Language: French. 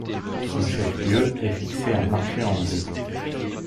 Son chef-lieu est fixé à Marchais-en-Brie.